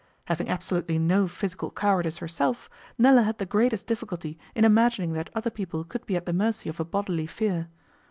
Having absolutely no physical cowardice herself, Nella had the greatest difficulty in imagining that other people could be at the mercy of a bodily fear.